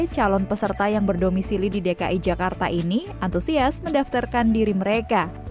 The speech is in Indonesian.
calon peserta yang berdomisili di dki jakarta ini antusias mendaftarkan diri mereka